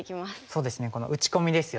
そうですねこの打ち込みですよね。